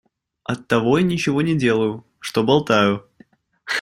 Оттого и ничего не делаю, что болтаю.